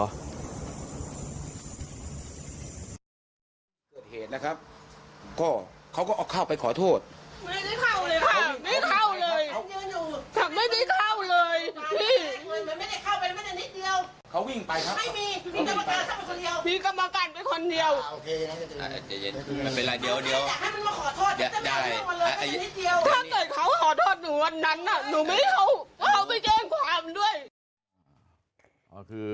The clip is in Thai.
วันนั้นน่ะหนูมีเขาเขาไปเจ้งความด้วย